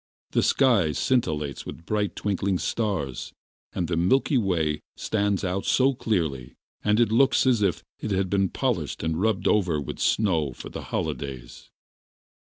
The sky scintillates with bright twinkling stars, and the Milky Way stands out so clearly that it looks as if it had been polished and rubbed over with snow for the holidays...